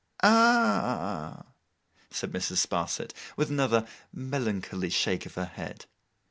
'Ah—h!' said Mrs. Sparsit, with another melancholy shake of her head.